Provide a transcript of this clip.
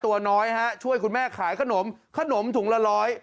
ตัวน้อยฮะช่วยคุณแม่ขายขนมขนมถุงละร้อย